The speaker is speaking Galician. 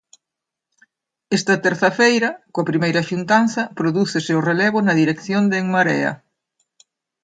Esta terza feira, coa primeira xuntanza, prodúcese o relevo na dirección de En Marea.